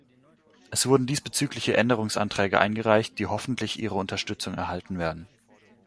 Es wurden diesbezügliche Änderungsanträge eingereicht, die hoffentlich Ihre Unterstützung erhalten werden.